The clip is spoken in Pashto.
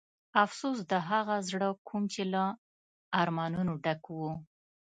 افسوس د هغه زړه کوم چې له ارمانونو ډک و.